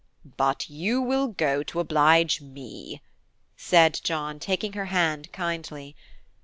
"But you will go to oblige me," said John, taking her hand kindly.